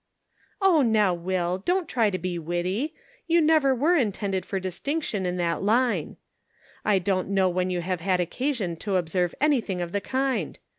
"Oh, now, Will; don't try to be witty, you never were intended for distinction in that line. I don't know when you have had oc casion to observe anything of the kind.